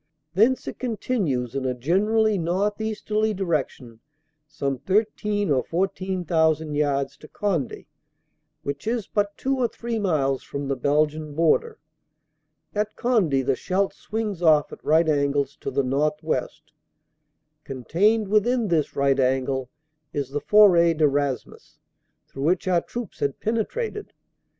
Thence it con tinues in a generally northeasterly direction some thirteen or fourteen thousand yards to Conde, which is but two or three miles from the Belgian border. At Conde the Scheldt swings off at right angles to the northwest. Contained within this right angle is the Foret de Raismes, through which our troops had penetrated.